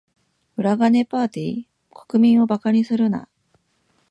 裏金パーティ？国民を馬鹿にするな。